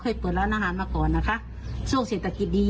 ยืนยันว่ามี